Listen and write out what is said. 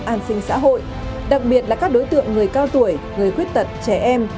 an sinh xã hội đặc biệt là các đối tượng người cao tuổi người khuyết tật trẻ em